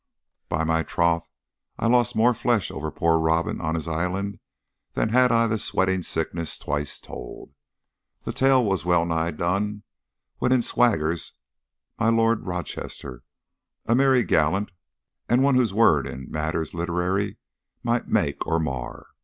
"By my troth, I lost more flesh over poor Robin on his island, than had I the sweating sickness twice told. The tale was well nigh done when in swaggers my Lord of Rochester a merry gallant, and one whose word in matters literary might make or mar.